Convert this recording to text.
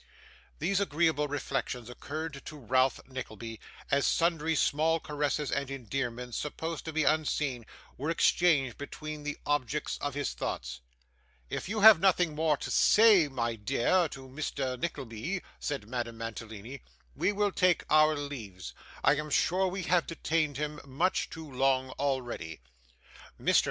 These agreeable reflections occurred to Ralph Nickleby, as sundry small caresses and endearments, supposed to be unseen, were exchanged between the objects of his thoughts. 'If you have nothing more to say, my dear, to Mr. Nickleby,' said Madame Mantalini, 'we will take our leaves. I am sure we have detained him much too long already.' Mr.